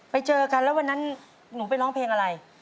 ไปเจอกันแล้ววันนั้นหนูไปร้องเพลงอะไร